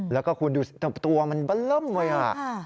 แล้วก็คุณดูตัวมันบัลล่ำไว้ค่ะ